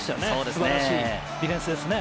素晴らしいディフェンスですね。